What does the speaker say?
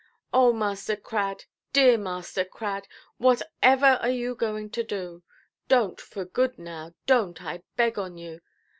"Oh, Master Crad, dear Master Crad, whatever are you going to do? Donʼt, for good now, donʼt, I beg on you.